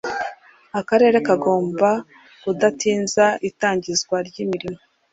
akarere kagomba kudatinza itangizwa ry’imirimo